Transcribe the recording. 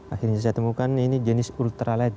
akhirnya saya temukan ini jenis ultralet